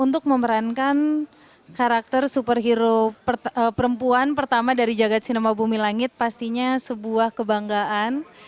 untuk memerankan karakter superhero perempuan pertama dari jagad cinema bumi langit pastinya sebuah kebanggaan